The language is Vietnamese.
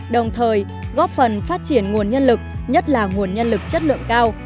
đồng thời góp phần phát triển nguồn nhân lực nhất là nguồn nhân lực chất lượng cao